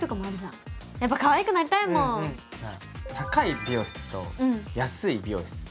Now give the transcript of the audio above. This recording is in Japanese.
高い美容室と安い美容室